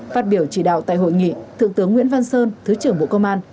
phát biểu chỉ đạo tại hội nghị thượng tướng nguyễn văn sơn thứ trưởng bộ công an